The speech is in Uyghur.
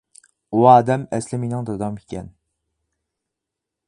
ئۇ ئادەم ئەسلى مېنىڭ دادام ئىكەن.